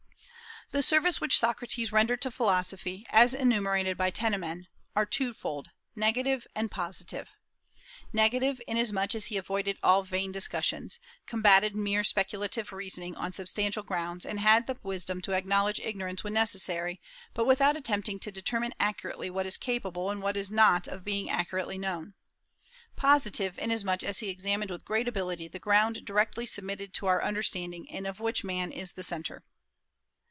The services which Socrates rendered to philosophy, as enumerated by Tennemann, "are twofold, negative and positive. Negative, inasmuch as he avoided all vain discussions; combated mere speculative reasoning on substantial grounds; and had the wisdom to acknowledge ignorance when necessary, but without attempting to determine accurately what is capable and what is not of being accurately known. Positive, inasmuch as he examined with great ability the ground directly submitted to our understanding, and of which man is the centre."